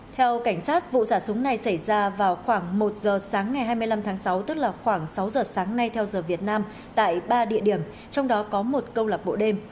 theo cảnh sát vụ xả súng này xảy ra vào khoảng một giờ sáng ngày hai mươi năm tháng sáu tức là khoảng sáu giờ sáng nay theo giờ việt nam tại ba địa điểm trong đó có một câu lạc bộ đêm